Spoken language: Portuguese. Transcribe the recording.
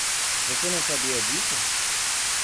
Você não sabia disso?